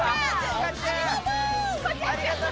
ありがとう。